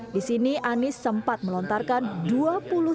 di sini anis sempat melontarkan dua puluh tanda